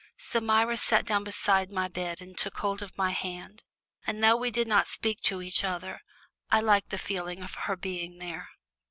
So Myra sat down beside my bed and took hold of my hand, and though we did not speak to each other, I liked the feeling of her being there.